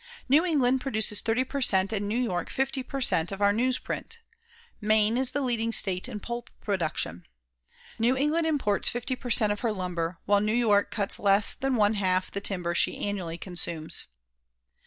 New England produces 30 per cent. and New York 50 per cent. of our newsprint. Maine is the leading state in pulp production. New England imports 50 per cent. of her lumber, while New York cuts less than one half the timber she annually consumes.